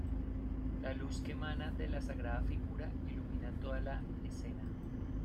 La luz que emana de la sagrada figura ilumina toda la escena.